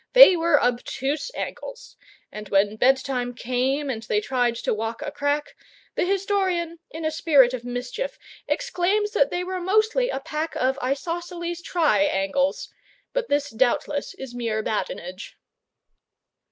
They were obtuse Angles, and when bedtime came and they tried to walk a crack, the historian, in a spirit of mischief, exclaims that they were mostly a pack of Isosceles Try Angles, but this doubtless is mere badinage.